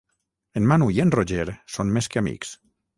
En Manu i en Roger són més que amics.